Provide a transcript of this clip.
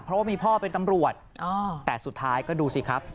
เพราะว่ามีพ่อเป็นตำรวจแต่สุดท้ายก็ดูสิครับ